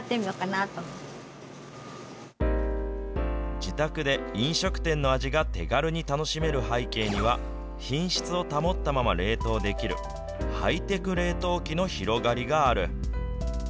自宅で飲食店の味が手軽に楽しめる背景には、品質を保ったまま冷凍できる、ハイテク冷凍機の広がりがある。